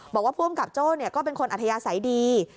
ผู้อำกับโจ้ก็เป็นคนอัธยาศัยดี